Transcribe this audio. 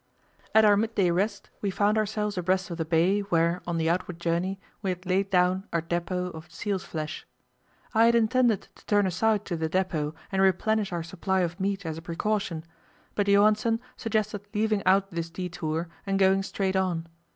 At our midday rest we found ourselves abreast of the bay, where, on the outward journey, we had laid down our depot of seals' flesh. I had intended to turn aside to the depot and replenish our supply of meat as a precaution, but Johansen suggested leaving out this detour and going straight on.